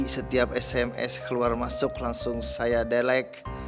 setiap sms keluar masuk langsung saya delik